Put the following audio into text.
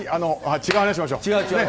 違う話しましょう！